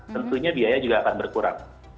tentunya biaya juga akan berkurang